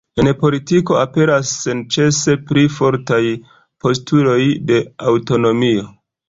En politiko aperas senĉese pli fortaj postuloj de aŭtonomio.